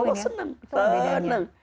allah senang tenang